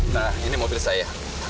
nah ini mobil saya